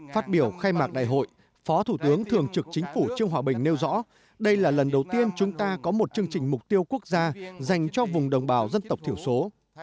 phát biểu khai mạc đại hội phó thủ tướng thường trực chính phủ trương hòa bình nêu rõ đây là lần đầu tiên chúng ta có một chương trình mục tiêu quốc gia dành cho vùng đồng bào dân tộc thiểu số